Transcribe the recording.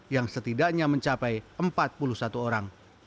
yang setidaknya mencapai empat puluh satu orang